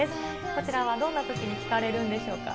こちらはどんなときに聴かれるんでしょうか。